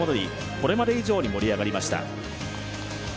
これまで以上に盛り上がりました。